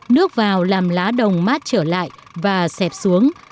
nước vào làm lá đồng mát trở lại và xẹp xuống